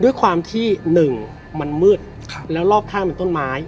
ด้วยความที่หนึ่งมันมืดแล้วรอบข้างเป็นต้นไม้